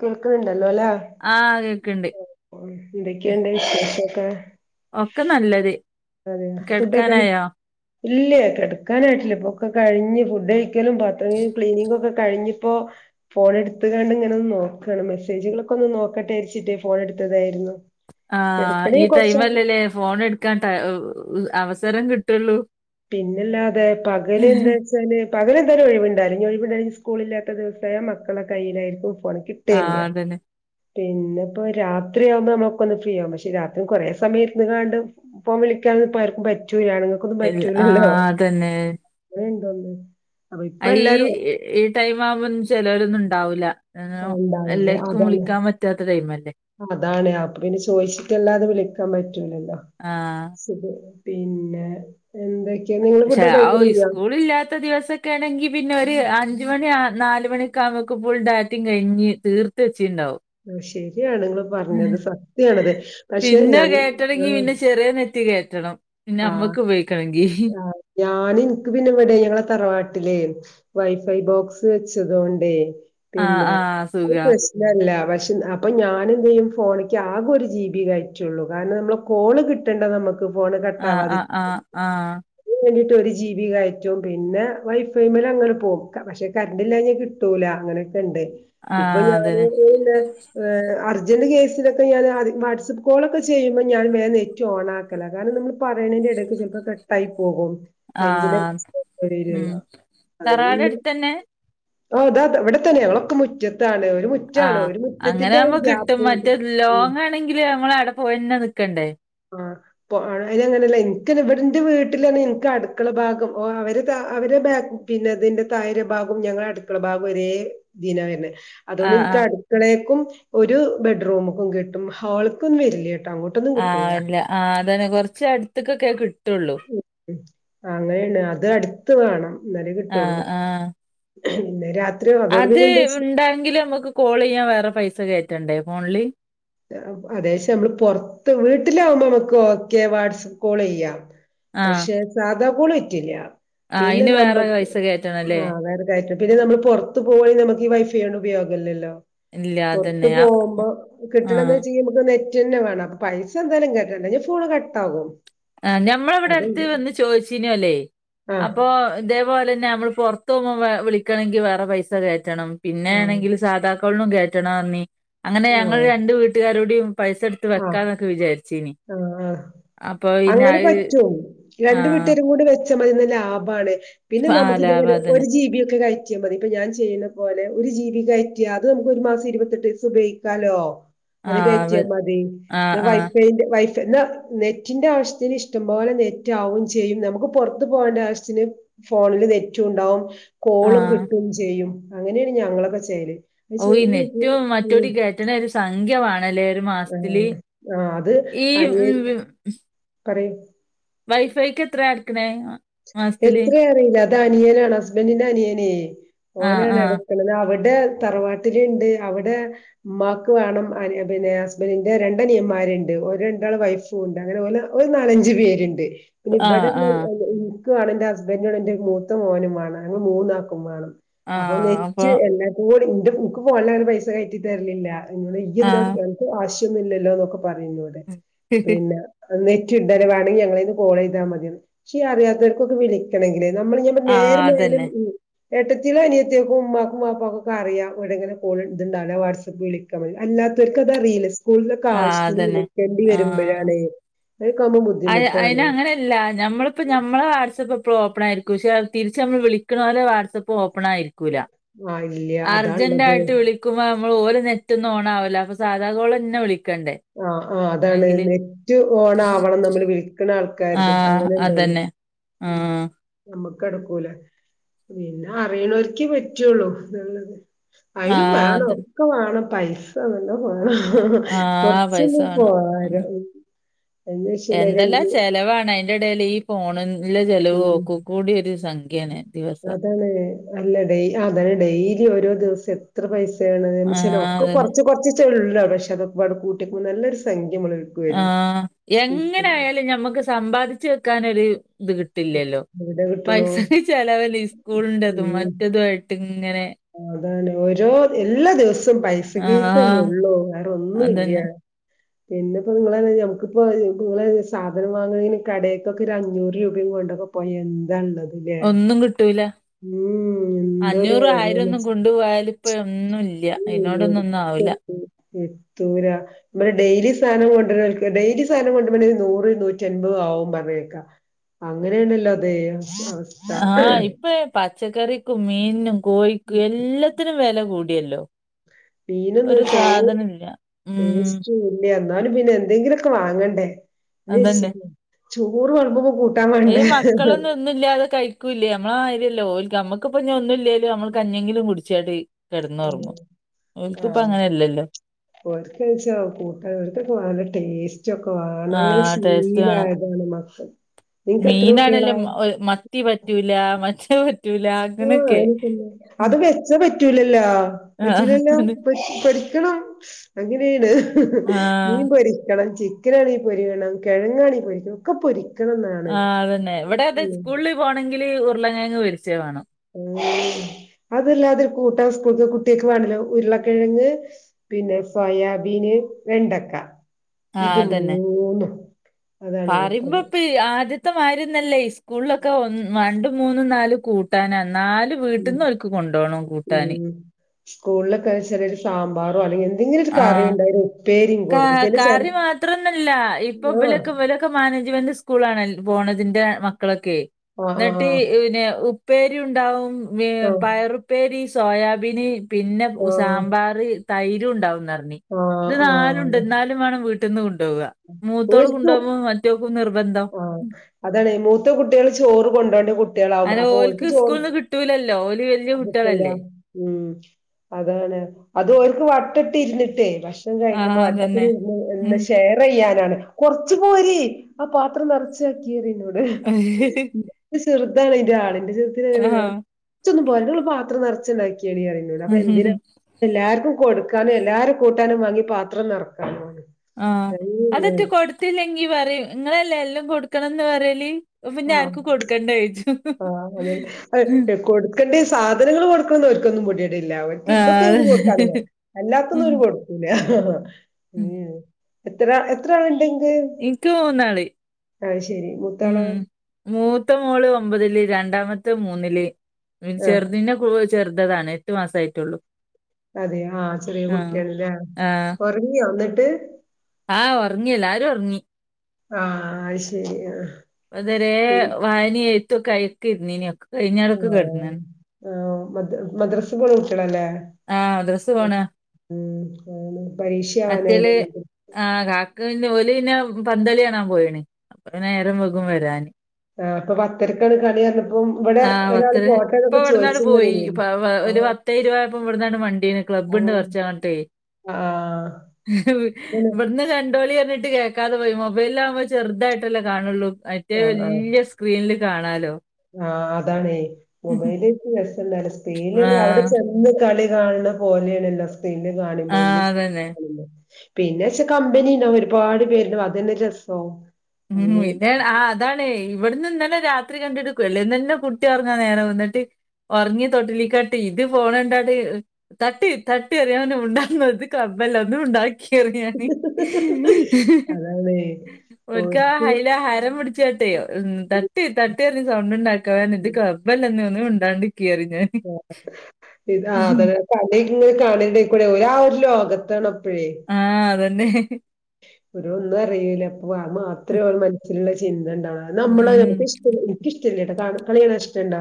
കേൾക്ക്ണണ്ട് [unintelligible] ആഹ് കേക്ക്ണ്ട്. എന്തൊക്കെയുണ്ട് വിശേശക്കെ ഒക്കെനല്ലത് കെട്ക്കാനായോ? ഇല്ല്യ കെട്ക്കാനായിട്ടില്ല ഇപ്പൊക്കെകഴിഞ്ഞ് ഫുഡ്ഴിക്കലും പാത്രംകയ്കി ക്ലീനിങ്ങൊക്കഴി പ്പോ ഫോണെട്ത്തുകാണ്ട്ങ്ങനെ ഒന്ന്നോക്കാണ് മെസേജുകളൊക്കെന്ന് നോക്കട്ടെരിച്ചിട്ടേ ഫോൺഎടുത്തതായിരുന്നു ആ ഈടൈംല്ലല്ലേ ഫോൺഎട്ക്കാൻ അവസരംകിട്ടൊള്ളൂ പിന്ന്ല്ലാതെ പകല്എന്തവച്ചാല് പകല്എന്തായാലും ഒഴിവുണ്ടായില്ലാ ഞ്ഒഴിവുണ്ട സ്കൂളില്ലാത്ത ദിവസ മക്കളുടെകയ്യിലായിരിക്കുംഫോണ് കിട്ടെല്ല ആഹ് അതന്നെ. പിന്നെപ്പോ രാത്രിയാവുമ്പോനമ്മുക്കൊന്ന് ഫ്രീയാവും പക്ഷെരാത്രികൊറെേസമയംഇര്ന്ന്കാണ്ട് ഫോൺവിളിക്കാ ർക്കും പറ്റൂല ആണുങ്ങക്കൊ ആ... അതന്നെ [unintelligible] ഈ എല്ലാരും ഈ ടൈമാവുമ്പോ ചിലൊരൊന്നുണ്ടാവൂല്ല ഉണ്ടാവില്ല എല്ലെർക്കും അതാണ് വിളിക്കാൻ പറ്റാതെ ടൈം അതാണ് അപ്പൊപിന്നെ ചോയ്ച്ചിട്ടല്ലാതെ വിളിക്കാൻ പറ്റ് റ്റില്ലല്ലോ ആഹ് പിന്നെ എന്തയ് ക്ഷേ ഓയ് സ്കൂളില്ലാത്ത ദിവസൊക്കണെങ്കി പിന്നെ അഞ്ചുമണി നാലുമണിയൊക്കെയവുമ്പക്ക് ഫുൾഡാറ്റിം കഴിഞ്ഞ് തീർത്ത് വെച്ചിണ്ടാവും ശരിയാണ് നിങ്ങള് ഹ്.. പറഞ്ഞത് സത്യാണത് പക്ഷെ ഞ പിന്നെ കേറ്റണെങ്കി പിന്നെ ചെറിയ നെറ്റ് കേറ്റണം പിന്നെ നമ്മക്കുപയോഗിക്കണെങ്കി ഞാന്ൻക്ക് പിന്നെ ഇവിടെ ഞങ്ങളെ തറവാട്ടിലെയ് വൈഫൈബോക്സ് വെച്ച്തോണ്ടേയ് ആഹ് പിന്നെ ആഹ് ഒരു സുഖാ. പ്രശ്നല്ല [unintelligible] [unintelligible] അപ്പൊ ഞാനെന്തയ്യും ഫോണിക്ക് ആകെ ഒരു ജി ബി കയറ്റുള്ളൂ.. കാരണം നമ്മളെ കോള് കിട്ടണ്ടെ നമ്മക്ക് ക്ക് ഫോണ് കട്ടാവാതിരി [unintelligible] ആ... ഒരു ജി ബി കയറ്റും... പിന്നെ വൈഫൈമേലങ്ങനെ പോകും.. പക്ഷെ കറണ്ട്ല്ലഞ്ഞാ കിട്ടൂല അങ്ങനെ ആഹ് അതന്നെ. [unintelligible] അർജന്റ് കേസിനൊക്കെ ഞാന ആധി വാട്സ്ആപ്പ് കോളൊക്കെചെയ്യുമ്പോ ഞാൻ വേം നെറ്റ് ഓണാക്കല കാരണം നമ്മള് പറയണതിന്റെ ഇടയ്ക്ക് ചെൽപ്പോ കട്ടായിപോകും [unintelligible] ആഹ് ഉം തറവാട് അടുത്തന്നെ? ഓ അതാത് ഇവിടെത്തന്നെയ.. ഞങ്ങളൊക്കെമുറ്റത്താണ്.. ആഹ്.. അങ്ങനാവുമ്പോ കിട്ടും.. മറ്റേ ഗ്യാപ്പ് ലോങണെങ്കില് നമ്മള് അവിടെ പോയെന്നെ നിക്കണ്ടേ [unintelligible] ന്റെ വീട്ടില് ഞങ്ങക്ക് അടുക്കളഭാഗം ഓ അവര് അവര്തിന്റെ താഴെ ഭാഗം ഞങ്ങളുടെ അടുക്കള ഭാഗം ഒരേ ഇതിനവരനെ അതുകൊണ്ട് ആഹ് ഇനിക്ക് ആഹ് അട്ക്കളേക്കും ഒരു ബെഡ്റൂമ്ക്കും കിട്ടും ഹോൾക്കൊന്നും വരില്ല്യ ആ ഇല്ല ആ അതന്നെ കൊറച്ചട്തുക്കൊക്കെ കിട്ടൊള്ളൂ. ആ അങ്ങനേണ് അത് അട്ത്ത് വേണം. ന്നാലേ കിട്ടൊള്ളൂ ആഹ് ആഹ് ഇന്ന് രാത് അത് ഉണ്ടെങ്കിലും മ്മക്ക് കോളീയ്യാൻ വേറെ പൈസ കയറ്റണ്ടേ ഫോണില്? അതേച്ചാ മ്മള് പൊറത്ത് വീട്ടിലാകുമ്പോ നമുക്ക് ഒക്കെ വാട്സപ്പ് കോളീയ്യാം. ആഹ് പക്ഷെ സാധാ കോള് പറ്റില്ല.. ആഹ് പിന്നെ അയിന് വേറെ നമ്മക്ക് പൈസ കേറ്റണല്ലേ? ആഹ് അതായത് കയറ്റ പിന്നെ നമ്മള് പൊറത്ത് പോയാൽ നമുക്ക് ഈ വൈഫൈയോണ്ട് ഉപയോഗല്ലല്ലോ. ഇല്ല പൊറത്ത് അതന്നെ പോകുമ്പോ ആഹ് കിട്ടണന്നേച്ചെങ്കി നമക്ക് നെറ്റെന്നെ വേണം. അപ്പൊ പൈസന്തായാലും കേറ്റണ്ടേ.. ഇല്ലെങ്കി ഫോണ് കട്ടാവും. ആ ഞമ്മളവിടെ അട്ത്ത് വന്ന് ചോയ്ച്ചീന്നോല്.. ആഹ് അപ്പൊ ഇതേപോലെന്നെ ഞമ്മള് പൊറത്ത് പോവുമ്പം ഏ വിളിക്കണങ്കി വേറെ പൈസ കേറ്റണം. പിന്നെ ആഹ് വേണെങ്കില് സാധാ കോൾനും കേറ്റണറഞ്ഞ്. അങ്ങനെ ഞങ്ങള് ആഹ് രണ്ട് വീട്ട്കാരോടീം പൈസട്ത്ത് ആഹ് വെക്കാന്നൊക്കെ വിചാരിച്ചീന്.. ആഹ് ആഹ് അപ് അങ്ങനെ പറ്റും രണ്ട് വീട്ടാരും കൂടി വെച്ചാ മതിന്ന ലാഭാണ്. പിന്നെ ആഹ് നമുക്ക് ഇതേപോലെ ഒരു ലാഭാതന്നെ ജി ബി ഒക്കെ കയറ്റിയാ മതി ഇപ്പൊ ഞാൻ ചെയ്യുന്ന പോലെ ഒരു ജി ബി കയ റ്റാ അത് നമുക്ക് ഒരു മാസം ഇരുപത്തെട്ടീസം ഉപയോഗിക്കാലോ അത് കയ്റ്റ്യാ ആഹ് മ ആഹ് ഇന്നാ ആഹ് വൈഫൈന്റെ വൈഫൈ ന്നാ നെറ്റിൻ്റെ ആവശ്യത്തിന് ഇഷ്ടംപോലെ നെറ്റ്വാവും ചെയ്യും നമുക്ക് പുറത്ത് പോകേണ്ട ആവശ്യത്തിന് ഫോണില് നെറ്റും ഉണ്ടാവും കോളും ആഹ് കിട്ടും ചെയ്യും അങ്ങനെയാണ് ഞങ്ങളൊക്കെ ചെയ്യല്. അത് ഓ ഈ ശ- നെറ്റും ഉം മറ്റോടിം കേറ്റണങ്കി ഒരു സംഖ്യവാണല്ലേ ഒരു മാസ ആ ത്തില് ആ, ഈ ഉം പറീം വൈഫൈക്ക് എത്രാ അട്ക്കണേ? എത്രേ അറീല്ല. അത് അനിയനാണ് ഹസ്ബൻറിന്റെ അനിയനേ... ആഹ് ആഹ് ഓനാണട്ക്കണത് അവ വടെ തറവാട്ടില്ണ്ട്. അവിടെ ഉമ്മാക്ക് വേണം... അനി പിന്നെ ഹസ്ബൻഡിന്റെ രണ്ടനിയന്മാ മാര്ണ്ട് ഓരെ രണ്ടാളെ വൈഫും ണ്ട് അങ്ങനെ ഓല് ഓല് നാലഞ്ചു പേരുണ്ട്. പിന്നെ ആഹ് ഇവടൊന്ന് ആഹ് എന് ഇനിക്ക് വേണം ഇന്റെ ഹസ്ബൻഡിന് വേണം ഇന്റെ മൂത്ത മോനും വേണം ഞങ്ങള് മൂന്നാക്കും വേണം. അപ്പൊ നെറ്റ് എല്ലാര്ക്കും കൂടി ഇന്റെ ഇക്ക്പ്പൊ ഓലങ്ങനെ പൈസ കയറ്റി തരലില്ല. അന്നോടെ ആഹ് ഈയ്യെന്താവടെ അനക്ക് ആവശ്യന്നൂല്ലല്ലോന്നൊക്കെ പറയും ഇവടെ പിന്നെ നെറ്റ്ഡ്ഡലോ വേണെങ്കി ഞങ്ങളീന്ന് കോളീതാൽ മതി എന്ന് ഇച്ചീ അറിയാത്തവർക്കൊക്കെ വിളിക്കണെങ്കില് നമ്മള് ഇഞ്ഞിഅയിന്റെ നേരെ ആഹ് മേലെ അതന്നെ ഉം ഏട്ടത്ത്യാളും അനിയത്ത്യാൾക്കും ഉമ്മാക്കും വാപ്പാക്കൊക്കെ അറിയാംവിടെങ്ങനെകോൾ ഇത്ണ്ടാവൂല്ല വാട്സാപ്പ് വിളിക്കണം അല്ലാത്തോര്ക്കതറിയില്ല. സ്കൂളിലൊക്കെ ആഹ് ആവശ്യത്തിന് അതന്നെ വിളിക്കേണ്ടി വരുമ്പോഴാണെ അഅ് അയിനങ്ങനല്ല ഞമ്മളിപ്പോ ഞമ്മളെ വാട്സപ്പെപ്പളും ഓപ്പണായിരിക്കും പക്ഷേ അത് തിരിച്ചമ്മള് വിളിക്കണോലെ വാട്സപ്പ് ഓ പ്പണായിരിക്കൂല്ല. ആ ഇല്ല അതാ ഉള്ളത് അർജന്റായിട്ട് വിളിക്കുമ്പോ മ്മള് ഓല് നെറ്റൊന്നും ഓണാവൂല്ല അപ്പൊ സാധാകോളന്നെ വിളി ആഹ് ആഹ് അതാണ് നെറ്റ് ഓണാവണം നമ്മള് വിളിക്ക്‌ണ ആൾക്കാ ക്കാര്തും ആഹ് അങ്ങനെണ്ടോന്ന്ണ്. അതന്നെ ആഹ് നമ്മക്കട്ക്കൂല പിന്നെ അറിയണോര്ക്കേ പറ്റുള്ളൂ എന്നത് അയിനും ആഹ് വേണം അത് ഒക്കെ വേണം പൈസ നല്ലോം വേണം. ആഹ് പൈസ ച്ചെന്താപ്പൊപകാരം എന്തെല്ലാ ചെലവാണ് അയിന്റെ എടേല് ഈ ഫോണൻ ഉം ദിവസം അതാണേ അല്ല വൈ അതാണേ ഈ ഓരോ ദിവസം ഇത്ര ആ പൈസയാണ്ന്നാച്ചാല് ഒക്കെ അതന്നെ. കുറച്ച് കുറച്ചീച്ചൊള്ളൂ. പക്ഷെ അതൊക്കെപ്പാടെ കൂട്ട്യോക്കുമ്പോ നല്ലൊരു സംഖ്യ നമ്മളെടുക്ക് വരും ആഹ് ദിവസം എങ്ങനായാലും ഞമ്മക്ക് സമ്പാദിച്ചു വെക്കാനൊര് ഇത് കിട്ടില്ലല്ലോ എവിടെ കിട്ടണു പൈസക്ക്‌ ചെലവല്ലേ ഈ സ്കൂളിന്റെതും മറ്റത്വായിട്ട് ഇങ്ങനെ ആഹ് അതാണേ ഓരോ എല്ലാ ദിവസം പൈസ ആ കേസന്നെ ഉള്ളൂ വേറൊന്നും അതന്നെ. ഇല്ല്യാ. [inaudible] പിന്നെ ഇപ്പോ നിങ്ങള നഞമ്മക്കിപ്പോ നിങ്ങളെ സാധനം വാങ്ങുന്ന കടക്കൊക്കെ ഒരു അഞ്ഞൂറ് രൂപയും കൊണ്ടോ പോയി എന്താ ഉള്ളതിലേ ഒന്നും കിട്ടൂല. ഉം എന്തോ ഒരു ആരൊന്നും കൊണ്ടു പോയാല ഇപ്പ ഒന്നും ഇല്ല അതിനോടൊന്ന ഒന്നും ആാവില്ല എത്തൂരാ നമ്മെ ഡെയിലി സാധനം കൊണ്ട ഡെയിലി സാധനം കൊണ്ട നൂറ് നൂറ്റി അമ്പപത് ആ പറഞ്ഞേക്ക അങ്ങനെയാണല്ലോ അതേ ആഹ് ഇപ്പൊ പ പച്ചക്കറിക്കും മീനും കോഴിക്കും എല്ലാത്തിനും വില കൂടിയല്ലോ ഒരു സാധനല്ല. ഉം മീനന്ന്േസ്റ്റ് വ എന്നും പിന്നെ എന്തെങ്കിലുംൊക്കെ വാങ്ങണ്ടേ ചോറ് വളമ്പുമ്പ ക മക്കളൊന്നുംന്നുമില്ലാതെ കഴിക്കൂല്ലേ നമ്മള ആ നമ്മുക്കിൊ ഇ ഒന്നും ഇല്ലേല് നമ്മക്ക് കഞ്ഞെങ്കിലും കുടിച്ചാട്ട് കിടന്ന്ുറങ്ങു ഒക്ക്ിപ്പ അങ്ങനെയല്ലല്ലോ ക്കഴിച്ച കൂട്ടത്തൊക്കെ വല്ല ടേസ്റ്റ് ച്ചൊക്കെ ആ വണങ്ങനെ ശീലായതാണ് മക്കൾ നിനക്ക് എത്ര കുട്ടികളാ മീനാണെല്ലേ മത്തി പറ്റൂല മറ്റ ആ എനിക്ക അത് വെച്ച പറ്റൂലല്ലോ ആ പറ്റലല്ലോ അത് പൊരിക്കണം അങ്ങനെയാണ് ആ നീൻ പരിക്കണം ചിക്കനാളി പൊരിരിക്കണം കിഴങ്ങാണി പരിക്കണം ഒക്കെ പൊരിക്കും ആ അതന്നെ ഇവിടെ അത സ്കൂളിൽ പോകണെങ്കിൽ ഉരുളങ്ങങ്ങ് പരിച്ചയ വേണം ഉം അതല്ലാതിരു കൂട്ടൻ സ്കൂൾ കുട്ടികക്ക് വേണല്ലോ ഉരുളക്കിഴങ്ങ് പിന്നെ സോയാബീന് വെണ്ടക്ക ഇത് മൂന്നു പറയ്മ്പോപ്പ ആദ്യത്തെ മാരുന്നല്ലേ സ്കൂളിലൊക്കെ ഒ രണ്ട മൂന്നും നാല് കൂട്ടാനാ നാല് ഉം വീട്ടിൽന്ന് ഒൽക്ക് കൊണ്ടുപോണംു കൂട്ടാന് ഉം ാറോ അല്ലെങ്കിൽ എന്തെങ്കിലും ഒരു ആ കറിയ ഉണ്ടായി കറി മാത്രംഒന്നല്ല ഇപ്പൊ ആഹ് ഇവലൊക്കെ മാനേജ്മെന്റ് സ്കൂളി ആണലോ പോണതിന്റെ മക്കളൊക്കെ ആഹ് എന്നിട്ട് ആഹ് പിന്നെ ഉപ്പേരി ഉണ്ടാവും ആഹ് പയറുപ്പേരി സോയാബീന് പിന്നെ ആഹ് സാമ്പാർ തൈര് ഉണ്ടാവുന്നു ആഹ് ഇ ആഹ് നാലണ്ട് അതെ എന്നും വേണം വീട്ടന്ന് മൂത്തോൾ കൊണ്ടോകുമോ മറ്റാർക്കും നിർബധന്ം ആഹ അതാണ് മൂത്ത കുട്ടികൾ ചോറ് കൊണ്ടോണ്ട കുട്ടളാവും അങ്ങനെ അപ്പൊ ഓൽക്ക് സ്കൂളിന്ന് കിട്ടൂലല്ലോ ഓല് വല്യ ചോറ്കിട്ടുല കുട്ടികളല്ലേ അതാണ് അത് വട്ടട്ടി ഇരുന്നിട്ടേ ഭക്ഷണം ആ കഴിക്കുമ്പോ അതന്നെ വട്ടത്തിൽഇരുന്ന് ഉം ഷയർ ചെയ്യാ കുറച്ച പോ രേആ പാത്രം നിറച്ചക്കിവെക്കിപറിന്നോട് ഇതാണ്ന്റെ ആ ആടിന്റെത്തിൊന്ന പോലുള്ള പത്രം നിറച്ചുണ്ടാക്കി അപ്പ എന്തിന എല്ലാർക്കും കൊടുക്കാനും എല്ലാരും കൂട്ടാനും വാങ്ങി പാത്രം നിറക്കാനും ആഹ അതൊട്ട കൊടുത്തില്ലെങ്കി പറയും നിങ്ങളല്ലേ എല്ലാം കൊടുക്കണംന്ന് പറയല് അപ്പൊ പിന്നെ ആഹ ആർക്കും കൊടുക്കണ്ട ചോയിച്ചും ആ അതല്ലെ അ കൊടുക്കണ്ടേ സാധനങ്ങൾ കൊടുക്കണന്ന് അവർക്കൊന്നും പൊടിയാടില്ല അവർക്ക് ഇതൊക്കെ എ ആഹ് കൊടുക്കാനല്ലോ അല്ലാത്തൊന്നും ഒരു കൊടുക്കൂല്ല ഉ എത്ര എത്ര ആൾ ഉണ്ടെങ്കിൽ ഇൻക്ക് മൂന്നാള് ആഹ ശരി ഉം മുത്താള മൂത്ത മോള് ഒമ്പതില് രണ്ടാമത്തെ മൂന്നില് ആഹ് ചെറുെ ചെറുതതാണ് എട്ടു മാസമായിട്ടുള്ളു അതെ ആ ചെറിയ കുട്ടിയല്ലേ ആഹ് ഒറങ്ങിയ വന്നിട്ട് ആഹ് ഉറങ്ങിയല്ല ആരും ഉറങ്ങി ആഹ ശരി വതുരെ വായന എഴത്തക്കെഴക്ക ഇരുന്നനക്കെ കഴിഞ്ഞാടൊക്കെ കിടന്നാണ് ആ മ മദ്രസ പോണ കുട്ടികളാഅല്ലേ ആഹ് മദ്രസ് പോണാ പരീക്ഷ ആവാനായി എനിക്ക്ഓല് പിന്നെ പന്തളി കാണാൻ പോയിണ്. അപ്പം നേരം വൈകും വരാാന്. ആ് അപ്പ പത്തരക്കാണ് കളി ഇവിടെ ആ ഒരാള് പത്ത ഇപ്പൊ പോട്ടെന്നൊക്കെ ഇവിടന്നാട് ചോയിച്ചിങ്ങനെ പോയി ഇ നിന്നീനു. ഒരു ആഹ് പത്തേഇരുപതയ് ആയപ്പോ ഇവിടന്നാട് മണ്ടീ ആഹ് ക്ലബ്ബ്ണ്ട്കുറച്ചങ്ങട്ടെ ആഹ് അതാണ് ഇവിടുന്ന് കണ്ടോലി പറിട്ട കേൾക്കാതെ പോ മൊബൈല ആവുമ്പോൾ ചെറുതായിട്ടല്ലേ കാണുള്ളൂ ഏറ്റവും വലിയ സ്ക്രീനിൽ കാണാലോ? ആഹ അതാണെ മൊബൈല രസല്ല സ്ക്രീനല്ല അവിടെ ആഹ് ചെന്ന് കളി കാണണ പോലെയണല്ലോ സ്ക്രീനിൽ കാണുമ്പോ വ ആഹ് അതന്നെ ലൃഇഷ്ടാവുല പിന്നെ വച്ചെ കമ്പനിയ ഉണ്ടാവും ഒരുപാട് പേരുണ്ട അതന്നെ രസോ ഉം പിന്ന ആ അതാണെ ഇവിടന്ന് ഇന്നലെ രാത്രി കണ്ട ട്ട് കുട്ടി ഉറങ്ങുന്ന നേരാവും കുട്ടി ഇന്നിട്ട് ഉറങ്ങി തൊട്ടിലിക്കാട്ട് ഇത് പോണണ്ടാ തട്ട് തട്ടി അറിയാവൻും ഉണ്ടാത് അല്ല ഒന്നും മുണ്ടാതിങ്ങി അതാണ് ഒരിക്ക ഓര്ക്ക് ഹൈല ഹരം പിടിച്ചാട്ടേ തട്ട് തട്ട് പറിഞ് സൗണ്ട് ഉണ്ടാക്കേ ഇത് ഒന്നും മുണ്ടാണ്ട്ക്കി ആ ഇത അത കളിങ്ങ കാണണ്ട കൂടെ ഒ ഒരു ലോകത്താണ് അപ്പഴേ ആഹ അതന്നെ! ഒരുഓരോ ഒന്നും അറിയില അപ്പൊ മാത്രമേ മനസ്സിലുള്ള നമ്മള ഉം ഇട്ടാ കളികണാൻ ഇഷ്ടണ്ടാ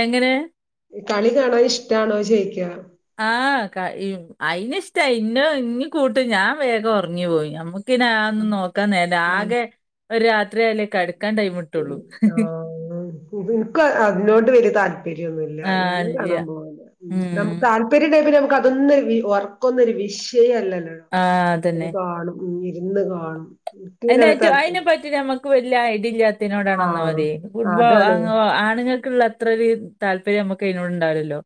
എങ്ങനെ? കളി കാണാൻ ഇഷ്ടാണോ ചോയ്ക്ക? ആഹ അയിനിഷ്ട ഇന്നിം കൂട്ടും ഞാൻ വേഗം ഉറങ്ങി പോയി നമ്മക്ക് ന്ന് നോക്കാൻ നേരല്ല, ആഹ് ആകെ ഒരു- രാത്രിയാല- ആ.. എനിക്ക് അതിനോട് വല്യ- താല്പര്യം - യൊന്നുല്ല, ആ ഞാന് അത് ഇല്ല്യ കാണാ- പോക്ക്.. ഉം താല്പര്യം ഇല്ലെകിൽ - തൊന്നൊരു, ഉറക്കൊുന്നൊരു- വിഷയ അല്ലല്ലോടോ ആ അത് അതന്നെ കാണും. ഉം ഇരുന്ന് കാണും. എനിക്ക് പിന്നെ അങ്ങനെ അതിനറ്റ.. താല്പര്യം അതിനെപ്പറ്റി നമ്മുക്ക്- വലിയ ആയടിയില്ലാത്ത. തിനോടണ ഒന്നാ ആഹ് മതി.. ഫുട്ബോൾ, അതാണ് ആണുൾക്കുള്ള അത്ര ഒരു താല്പര്യം- നമുക്ക് അതിനോട്ണ്ടാവില്ലല്ലോ.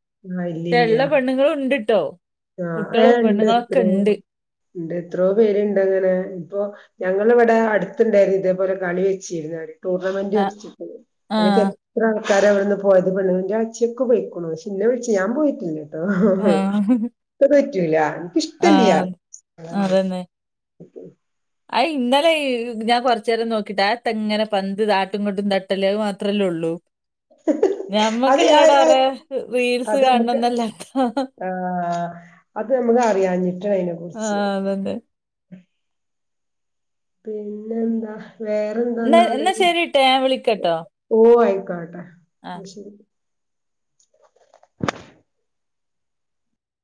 ഇള്ള പണ്ണുങ്ങളും ഉണ്ട്! ട്ടോ ആഹ കുട്ടികളും ഇണ്ട്, പെണ്ണുങ്ങളൊക്കെ എത്രയോ ഉണ്ട് ഉണ്ട് എത്രയോ പേരുണ്ട് അങ്ങനെ- ഇപ്പോ. ഞങ്ങളിവിടെ അടുത്തുണ്ടായിരുന്നു ഇതേപോലെ കളി വെച്ചിരുന്നര്. ടൂർണമെന്റ് ആ വെച്ചിട്ട് ആ എനക്ക് എത്ര- ആക്കാരാ അവടവന്ന് പോയത്, പെണ്ണുന്റെ അച്ച്ചയൊക്കെ പോയിക്കണു, പക്ഷെ ഇന്നെ വിളിച് ഞാൻ പോയിട്ടില്ലട്ടോ. ആ ഇത് പറ്റൂല.. എനക്ക് ആ ഇഷ്ട്ടല്ല്യയാ. ആ ഇന്നലെ ഞാൻ കൊറച്ച നേരം നോക്കിട്ട് ആത്തെങ്ങനെ പന്ത് നാട്ടും കൊട്ടും തട്ടല്ലേ അത് മാത്രമല്ലേ ഉള്ളൂ ഹ്ഹ് അത് അഹ് ഞമ്മക്കിള്ളടാ അഹ് കൊറേ റീൽസ് അത് മ്മക്ക് കാണണംന്നല്ലാത്ത. ആ അത് അറിയഞ്ഞിട്ട് അതിനെ ആ കുറിച്ച് അതന്നെ. പിന്നെ എന്താ എന്നാ വേറെന്താെന്നാല് എന്നാ ശരിട്ടോ ഞാൻ വിളിക്കട്ടോ? ഓ ആയി ആട്ടെ ആ. ശരി